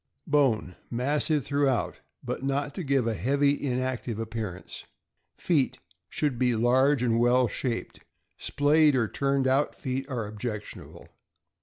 Bone. — Massive throughout, but not to give a heavy, inactive appearance. Feet. — Should be large and well shaped. Splayed or turned out feet are objectionable.